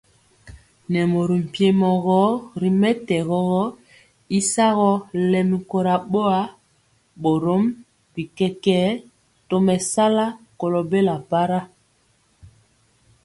Nɛ mori mpiemɔ gɔ ri mɛtɛgɔ y sagɔ lɛmi kora boa, borom bi kɛkɛɛ tomesala kolo bela para.